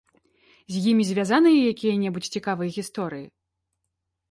З імі звязаныя якія-небудзь цікавыя гісторыі?